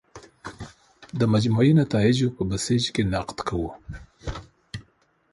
د مجموعي نتایجو په بیسج کې نقد کوو.